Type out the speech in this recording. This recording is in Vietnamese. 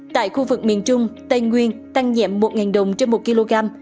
tại khu vực miền trung tây nguyên tăng nhẹm một ngàn đồng trên một kg